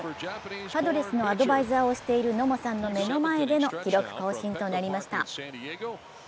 パドレスのアドバイザーをしている野茂さんの目の前での記録更新となりました。